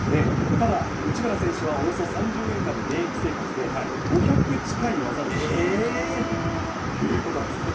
ただ、内村選手はおよそ３０年間の現役生活で、５００近い技を習得したということです。